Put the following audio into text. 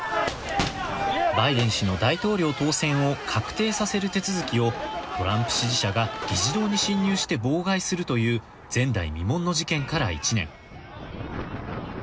バイデン氏の大統領当選を確定させる手続きをトランプ支持者が議事堂に侵入して妨害するという前代未聞の事件から１年。